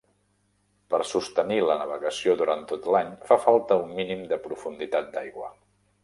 Per sostenir la navegació durant tot l'any fa falta un mínim de profunditat d'aigua.